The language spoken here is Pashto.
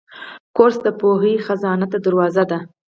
کورس د پوهې خزانې ته دروازه ده.